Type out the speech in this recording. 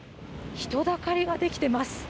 人だかりが出来ています。